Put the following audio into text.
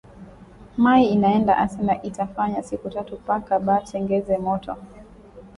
Mayi inaenda asema ita fanya siku tatu paka ba tengeneze moto